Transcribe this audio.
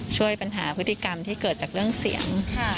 ช่วยปัญหาพฤติกรรมที่เกิดจากเรื่องเสียง